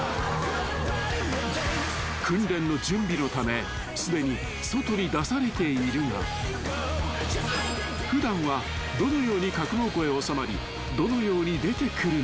［訓練の準備のためすでに外に出されているが普段はどのように格納庫へ収まり］